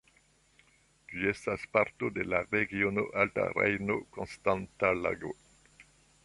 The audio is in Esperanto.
Ĝi estas parto de la regiono Alta Rejno-Konstanca Lago.